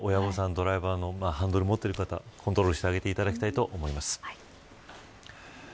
ドライバーのハンドルを持っている方コントロールしてあげていただきたいと思います。